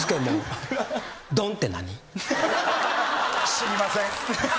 知りません。